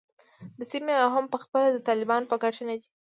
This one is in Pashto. د سیمې او هم پخپله د طالبانو په ګټه نه دی